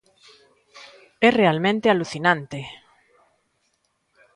¡É realmente alucinante!